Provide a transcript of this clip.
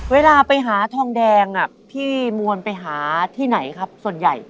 เวลาไปหาทองแดงพี่มวลไปหาที่ไหนครับส่วนใหญ่